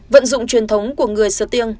vận dụng truyền thống của người sơ tiêng